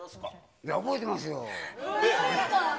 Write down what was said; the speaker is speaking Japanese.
いや、覚えてますよ。